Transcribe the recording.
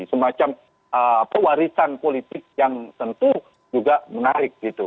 semacam pewarisan politik yang tentu juga menarik